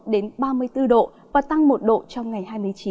đến ba mươi bốn độ và tăng một độ trong ngày hai mươi chín